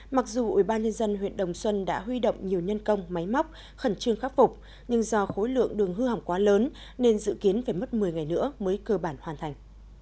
mặc dù ubnd huyện đồng xuân đã huy động nhiều nhân công máy móc khẩn trương khắc phục nhưng do khối lượng đường hư hỏng quá lớn nên dự kiến phải mất một mươi ngày nữa mới cơ bản hoàn thành